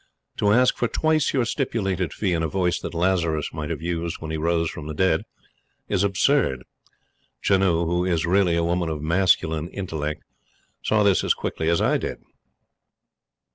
To ask for twice your stipulated fee in a voice that Lazarus might have used when he rose from the dead, is absurd. Janoo, who is really a woman of masculine intellect, saw this as quickly as I did.